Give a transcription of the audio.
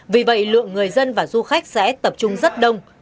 vì vậy lượng người dân và du khách sẽ tập trung rất đông